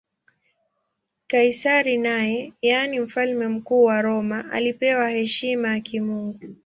Kaisari naye, yaani Mfalme Mkuu wa Roma, alipewa heshima ya kimungu.